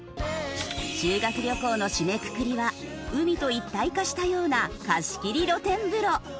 修学旅行の締めくくりは海と一体化したような貸し切り露天風呂波の湯茜。